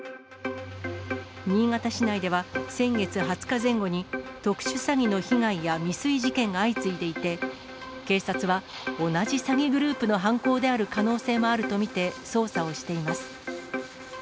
新潟市内では先月２０日前後に、特殊詐欺の被害や未遂事件が相次いでいて、警察は、同じ詐欺グループの犯行である可能性もあると見て捜査をしています。